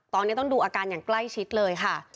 ตอนนี้ต้องดูอาการอย่างใกล้ชิดเลยค่ะ